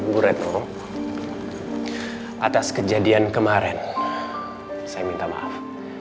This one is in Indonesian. bu retno atas kejadian kemarin saya minta maaf